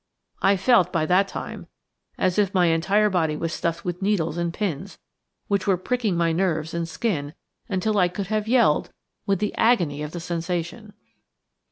I felt, by that time, as if my entire body was stuffed with needles and pins, which were pricking my nerves and skin until I could have yelled with the agony of the sensation.